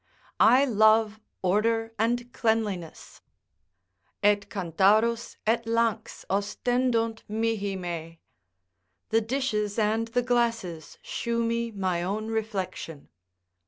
I love order and cleanliness "Et cantharus et lanx Ostendunt mihi me" ["The dishes and the glasses shew me my own reflection."